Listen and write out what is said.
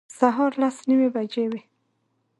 سهار لس نیمې بجې وې.